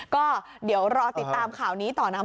ก็เดี๋ยวรอติดตามข่าวนี้ต่อนะ